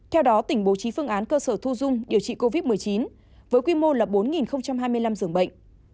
theo đó tỉnh bố trí phương án cơ sở thu dung điều trị covid một mươi chín với quy mô là bốn hai mươi năm dường bệnh